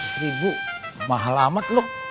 gak kemahalan tuh